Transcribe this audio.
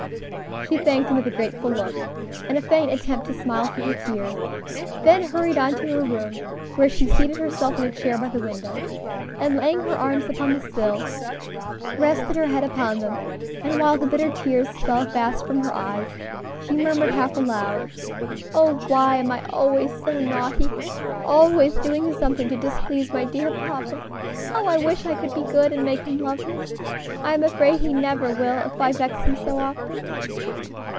She thanked him with a grateful look, and a faint attempt to smile through her tears; then hurried on to her room, where she seated herself in a chair by the window, and laying her arms upon the sill, rested her head upon them, and while the bitter tears fell fast from her eyes she murmured half aloud, "Oh! why am I always so naughty? always doing something to displease my dear papa? how I wish I could be good, and make him love me! I am afraid he never will if I vex him so often."